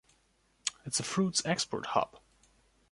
It’s a fruit’s export hub.